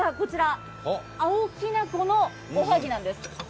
青きな粉のおはぎなんです。